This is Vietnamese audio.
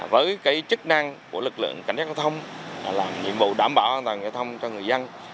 với chức năng của lực lượng cảnh sát giao thông làm nhiệm vụ đảm bảo an toàn giao thông cho người dân